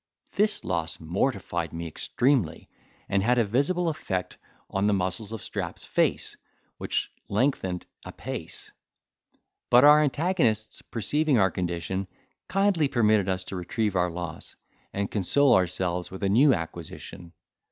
This loss mortified me extremely, and had a visible effect on the muscles of Strap's face, which lengthened apace; but our antagonists perceiving our condition, kindly permitted us to retrieve our loss, and console ourselves with a new acquisition.